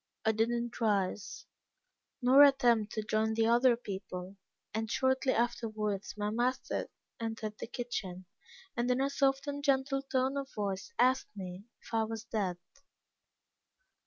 I did not rise, nor attempt to join the other people, and shortly afterwards my master entered the kitchen, and in a soft and gentle tone of voice, asked me if I was dead.